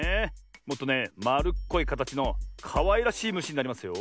もっとねまるっこいかたちのかわいらしいむしになりますよ。